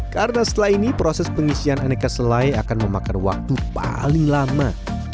karena setelah ini proses pengisian aneka selai akan memakan waktu paling lama